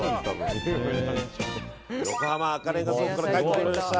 横浜赤レンガ倉庫から帰ってきました。